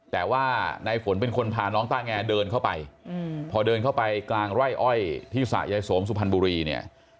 แต่ว่าในฝนเป็นคนพาน้องต้าแงเดินเข้าไปพอเดินเข้าไปกลางไร่อ้อยที่สระยายสมสุพรรณบุรีเนี่ย